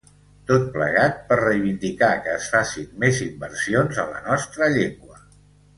Tot plegat per reivindicar que es facin més inversions en la nostra llengua.